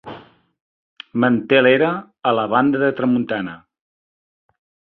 Manté l'era a la banda de tramuntana.